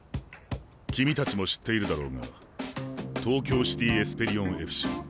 君たちも知っているだろうが東京シティ・エスペリオンＦＣＪ